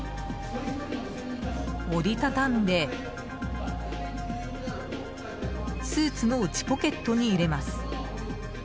折り畳んでスーツの内ポケットに入れます。